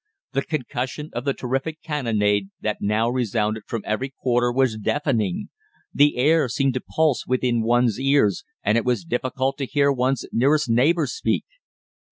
The concussion of the terrific cannonade that now resounded from every quarter was deafening; the air seemed to pulse within one's ears, and it was difficult to hear one's nearest neighbour speak.